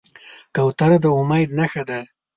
کوتره د امید نښه ده.